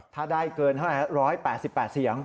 ถ้าได้เกินร้อยแปดสิบแปดเสียง